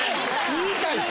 言いたいか？